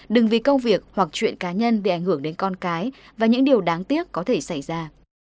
đừng vì câu việc hoặc chuyện cá nhân để ảnh hưởng đến con cái và những điều đáng tiếc có thể xảy ra